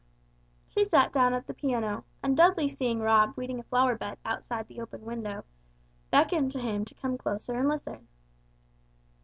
She sat down at the piano, and Dudley seeing Rob weeding a flower bed outside the open window, beckoned to him to come up closer and listen.